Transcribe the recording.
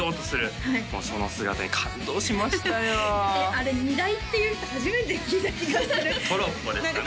あれ荷台って言う人初めて聞いた気がするトロッコですかね